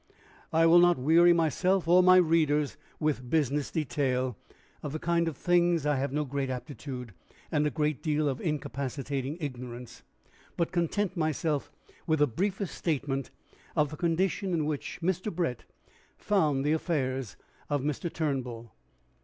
I will not weary myself or my readers with business detail, for which kind of thing I have no great aptitude, and a good deal of incapacitating ignorance; but content myself with the briefest statement of the condition in which Mr. Brett found the affairs of Mr. Turnbull.